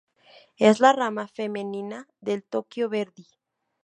Es la rama femenina del Tokyo Verdy.